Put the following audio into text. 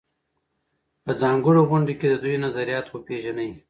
په ځانګړو غونډو کې د دوی نظریات وپېژنئ.